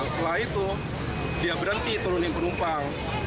setelah itu dia berhenti turunin penumpang